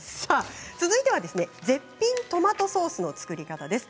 続いては絶品トマトソースの作り方です。